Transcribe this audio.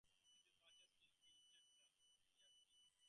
These viruses may kill the ciliated cells or stop the cilia beating.